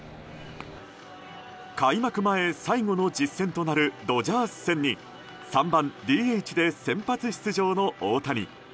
開幕前最後の実戦となるドジャース戦に３番ＤＨで先発出場の大谷。